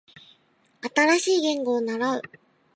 新しい言語を習う